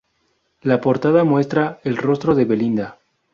La portada muestra el rostro de Belinda.